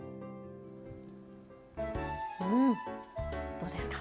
どうですか。